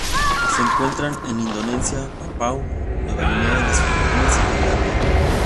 Se encuentran en Indonesia, Papúa Nueva Guinea, las Filipinas y Tailandia.